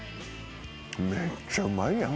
めっちゃうまいやん。